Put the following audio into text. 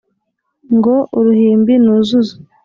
ngo uruhimbi nuzuze